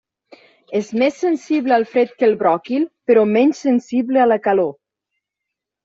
És més sensible al fred que el bròquil però menys sensible a la calor.